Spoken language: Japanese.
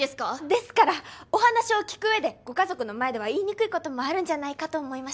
ですからお話を聞く上でご家族の前では言いにくい事もあるんじゃないかと思いまして。